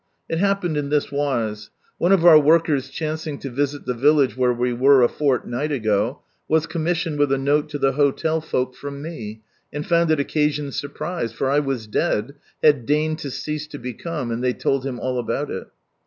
It happened in this wise. One of our workers chancing to visit the village where we were a fortnight ago, was commissioned with a note lo the hotel folk from me, and found it occasioned surprise — for I was dead, had '"deigned to cease to become," and ihey told him all about it.